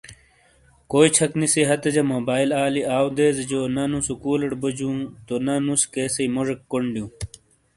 کوئی چھک نیسٔی ہَتیجا موبایٔل آِلی آؤدیزیجو نہ نُو سُکولیٹ بُجوں، تو نہ نُس کیسیٔی موجیک کوݨ دییوں۔